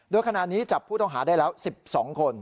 โดยขณะนี้จับผู้ต้องหาได้แล้ว๑๒คน